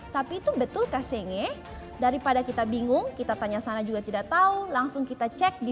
tapi itu betul kak senge daripada kita bingung kita tanya sana juga tidak tahu langsung kita cek di